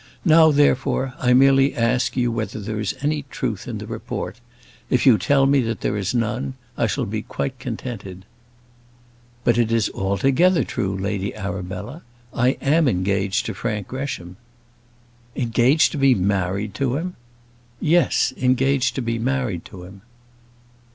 Now, therefore, I merely ask you whether there is any truth in the report. If you tell me that there is none, I shall be quite contented." "But it is altogether true, Lady Arabella; I am engaged to Frank Gresham." "Engaged to be married to him?" "Yes; engaged to be married to him."